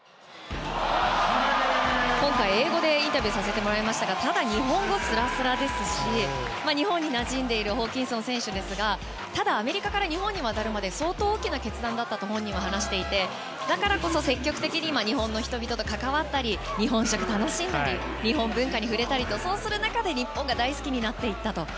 今回、英語でインタビューしたんですがただ日本語、スラスラですし日本に馴染んでいるホーキンソン選手ですがただ、アメリカから日本に渡るまで相当大きな決断だったと本人は話していてだからこそ積極的に日本の人々と関わったり日本食を楽しんで日本文化を触れたりとそうする中で日本が大好きになっていったと。